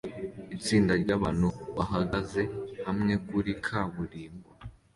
Itsinda ryabantu bahagaze hamwe kuri kaburimbo